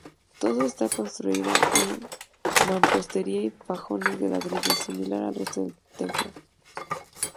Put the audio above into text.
Todo está construido en mampostería y fajones de ladrillos, similar al resto del templo.